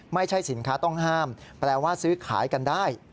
ไม่ใช่สินค้าต้องห้ามแปลว่าซื้อขายกันได้